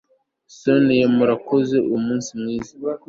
sonia murakoze umunsi mwiza